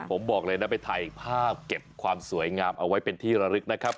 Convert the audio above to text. ผมบอกเลยนะไปถ่ายภาพเก็บความสวยงามเอาไว้เป็นที่ระลึกนะครับ